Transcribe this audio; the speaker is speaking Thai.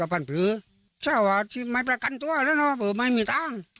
พ่อบอกว่าไม่มีมือต้อง